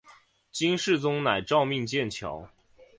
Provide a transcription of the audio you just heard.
金世宗乃诏命建桥。